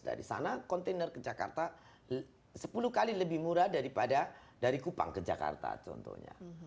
dari sana kontainer ke jakarta sepuluh kali lebih murah daripada dari kupang ke jakarta contohnya